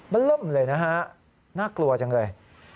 มันเริ่มเลยนะฮะน่ากลัวจังเลย